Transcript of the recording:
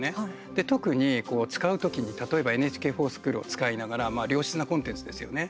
で、特に使うときに、例えば「ＮＨＫｆｏｒＳｃｈｏｏｌ」を使いながら良質なコンテンツですよね。